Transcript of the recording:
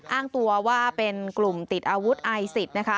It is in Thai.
อ้างตัวว่าเป็นกลุ่มติดอาวุธอายศิษฐ์